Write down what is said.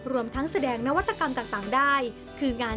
รวมทั้งแสดงนวัตกรรมต่างได้คืองาน